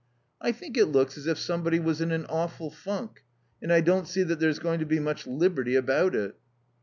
"I think it looks as if somebody was in an awful funk; and I don't see that there's going to be much liberty about it."